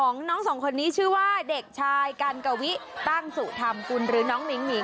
งองแงร้องให้